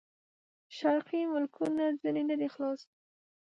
شرقي ملکونه ځنې نه دي خلاص.